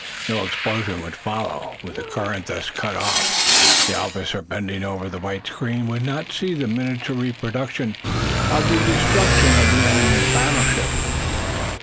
No explosion would follow. With the current thus cut off, the officer bending over the white screen would not see the miniature reproduction of the destruction of the enemy's battleship.